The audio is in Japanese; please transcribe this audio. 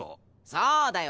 そうだよ。